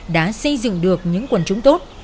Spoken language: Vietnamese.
đã xây dựng được những quần chúng tốt